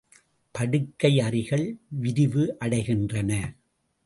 படுக்கை அறைகள் விரிவு அடைகின்றன.